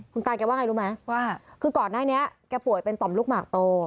คุณตาแกว่าไงรู้ไหมว่าคือก่อนหน้านี้แกป่วยเป็นต่อมลูกหมากโต